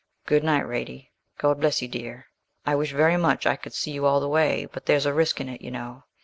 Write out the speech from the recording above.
Good night, Radie; God bless you, dear. I wish very much I could see you all the way, but there's a risk in it, you know.